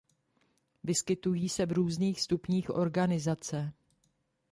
Vyskytují se v různých stupních organizace.